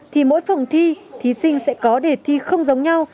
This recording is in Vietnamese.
thì mỗi phòng thi thí sinh sẽ có đề thi không giống nhau